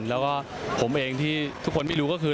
แล้วก็ผมเองที่ทุกคนไม่รู้ก็คือ